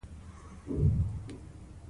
چې زه هم نشم کولی توپیر وکړم